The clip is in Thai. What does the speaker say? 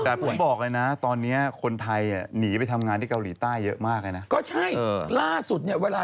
แต่ผมบอกเลยน่ะตอนเนี้ยคนไทยอ่ะหนีไปทำงานที่เกาหลีใต้เยอะมากเลยน่ะ